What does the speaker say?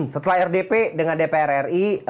setelah rdp dengan dpr ri